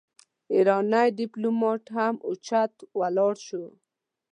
ايرانی ډيپلومات هم اوچت ولاړ شو.